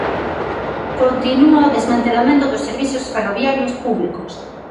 Continúa o desmantelamento dos servizos ferroviarios públicos.